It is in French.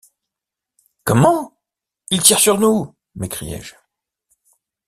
Comment ? ils tirent sur nous ! m’écriai-je.